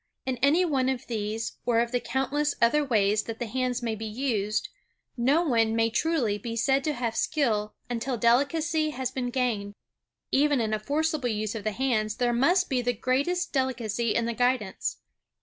In any one of these or of the countless other ways that the hands may be used, no one may truly be said to have skill until delicacy has been gained. Even in a forcible use of the hands there must be the greatest delicacy in the guidance.